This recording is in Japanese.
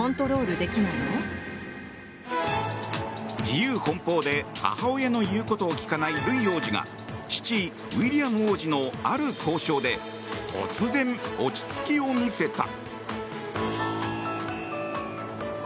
自由奔放で母親の言うことを聞かないルイ王子が父ウィリアム王子のある交渉で突然、落ち着きを見せた。